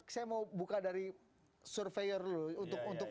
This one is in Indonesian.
saya mau buka dari surveyor dulu